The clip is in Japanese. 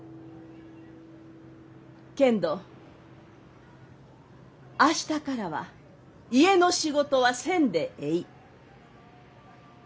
けんど明日からは家の仕事はせんでえい。